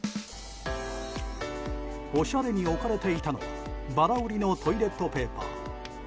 おしゃれに置かれていたのはばら売りのトイレットペーパー。